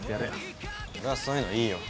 俺はそういうのいいよ。